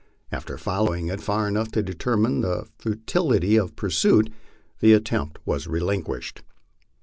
After following it far enough to determine the futility of pursuit, the attempt was relinquished.